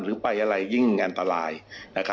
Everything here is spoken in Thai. หรือไปอะไรยิ่งอันตรายนะครับ